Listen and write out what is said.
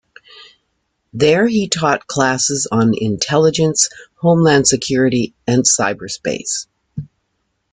There he taught classes on intelligence, homeland security and cyberspace.